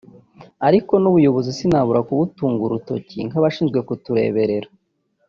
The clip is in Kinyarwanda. Ariko n’ubuyobozi sinabura kubutunga urutoki nk’abashinzwe kutureberera